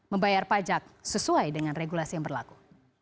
membayar pajak sesuai dengan regulasi yang berlaku